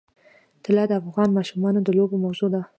طلا د افغان ماشومانو د لوبو موضوع ده.